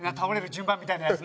順番みたいなやつ。